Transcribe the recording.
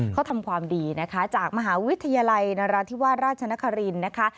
เขาทำความดีนะคะจากมหาวิทยาลัยนราธิวาสราชนครินนะคะ